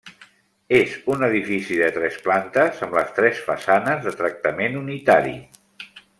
És un edifici de tres plantes, amb les tres façanes de tractament unitari.